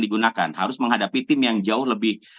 digunakan harus menghadapi tim yang jauh lebih